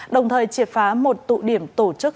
đồng thời triệt phá một tụ điểm tổ chức